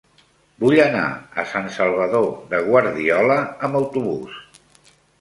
Vull anar a Sant Salvador de Guardiola amb autobús.